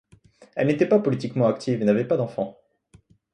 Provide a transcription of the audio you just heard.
Elle n'était pas politiquement active et n'avait pas d'enfants.